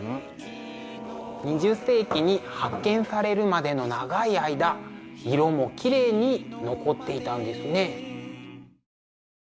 ２０世紀に発見されるまでの長い間色もきれいに残っていたんですね。